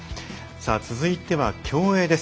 続いては競泳です。